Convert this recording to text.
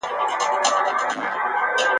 پېغله لیدلی خوب وایي.